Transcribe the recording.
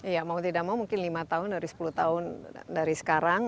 ya mau tidak mau mungkin lima tahun dari sepuluh tahun dari sekarang